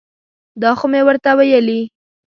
دا خو مې ورته ویلي.